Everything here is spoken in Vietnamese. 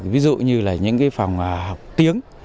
ví dụ như những phòng học tiếng